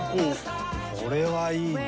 これはいいね。